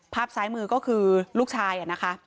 ภาพซ้ายมือก็คือลูกชายนะคะ